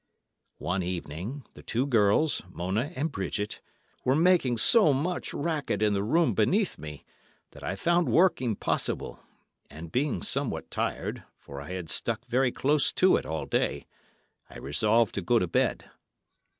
One evening the two girls, Mona and Bridget, were making so much racket in the room beneath me, that I found work impossible, and being somewhat tired, for I had stuck very close to it all day, I resolved to go to bed.